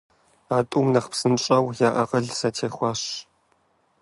А тӏум нэхъ псынщӀэу я акъыл зэтехуащ.